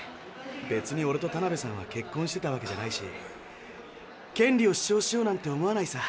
べつにオレとタナベさんは結婚してたわけじゃないし権利を主張しようなんて思わないさ。